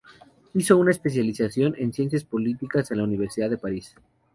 Hizo una especialización en ciencias políticas en la Universidad de París.